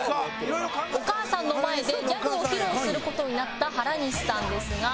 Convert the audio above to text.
「お母さんの前でギャグを披露する事になった原西さんですが」